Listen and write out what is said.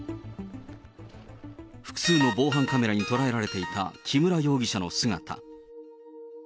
複数の防犯カメラに捉えられていた木村容疑者の姿。